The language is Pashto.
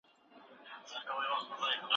د عاید لږه اندازه پس انداز کول اړین دي.